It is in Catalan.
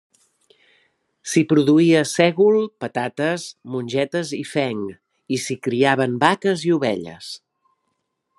S'hi produïa sègol, patates, mongetes i fenc, i s'hi criaven vaques i ovelles.